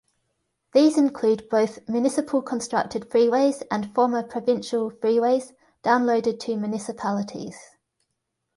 These include both municipal-constructed freeways and former provincial freeways downloaded to municipalities.